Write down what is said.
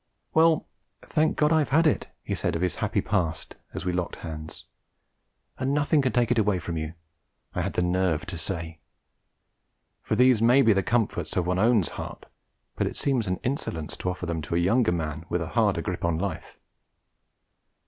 'Well, thank God I've had it!' he said of his happy past as we locked hands. 'And nothing can take it away from you,' I had the nerve to say; for these may be the comforts of one's own heart, but it seems an insolence to offer them to a younger man with a harder grip on life.